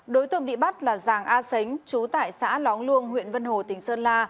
đối tượng bị bắt là giàng a sánh chú tại xã lóng luông huyện vân hồ tỉnh sơn la